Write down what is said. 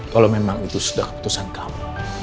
kalau memang itu sudah keputusan kamu